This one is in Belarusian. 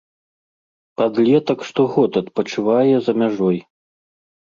Падлетак штогод адпачывае за мяжой.